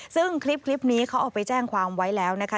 ซึ่งคลิปนี้เขาเอาไปแจ้งความไว้แล้วนะคะ